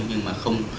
nhưng mà không